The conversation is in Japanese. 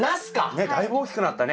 ねっだいぶ大きくなったね。